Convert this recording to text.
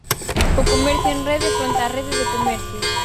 'O comercio en rede fronte á rede de comercios'.